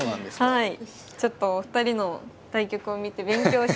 はい。